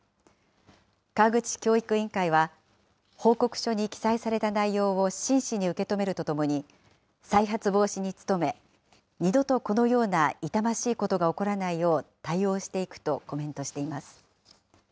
川口市教育委員会は、報告書に記載された内容を真摯に受け止めるともに、再発防止に努め、二度とこのような痛ましいことが起こらないよう対応していくとコメントしています。